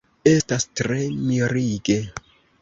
Estas tre mirige!